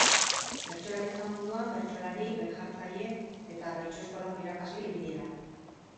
Bertsolaritza munduan, bertsolari, gai jartzaile eta bertso-eskolako irakasle ibili da.